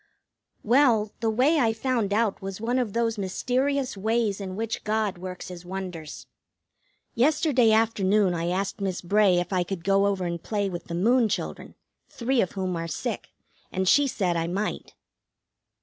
Well, the way I found out was one of those mysterious ways in which God works his wonders. Yesterday afternoon I asked Miss Bray if I could go over and play with the Moon children, three of whom are sick, and she said I might.